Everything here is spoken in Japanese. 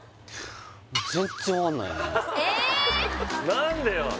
何でよ